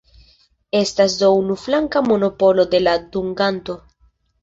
Estas do unuflanka monopolo de la dunganto.